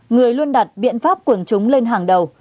người luôn đặt biện pháp quần chúng lên hàng đầu